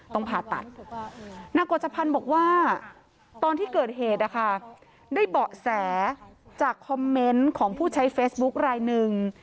ผ่าตัดนางกฎจพันธ์บอกว่าตอนที่เกิดเหตุนะคะได้เบาะแสจากคอมเมนต์ของผู้ใช้เฟซบุ๊คลายหนึ่ง